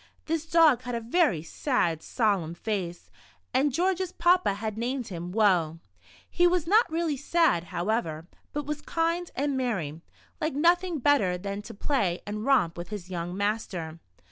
This dog had a very sad, solemn face, and George's papa had named him "Woe." He was not really sad, however, but was kind and merry, liking nothing better than to play and romp with his young master.